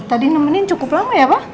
tadi nemenin cukup lama ya pak